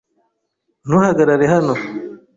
ntuhagarare hano. ”